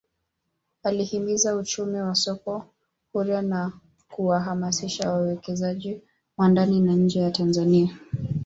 Alihimiza uchumi wa soko huria na kuwahamasisha wawekezaji wa ndani na nje ya Tanzania